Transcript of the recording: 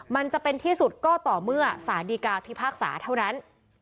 มันจะเป็นที่สุดก็ต่อเมื่อสารดีกาพิพากษาเท่านั้น